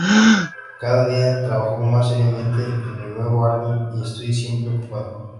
Cada día trabajo más seriamente en mi nuevo álbum y estoy siempre ocupada.